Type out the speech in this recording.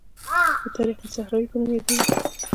د طریق الصحراوي په نوم یادیږي.